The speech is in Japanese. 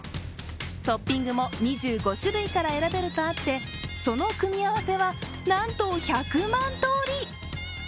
トッピングも２５種類から選べるとあってその組み合わせは、なんと１００万通り。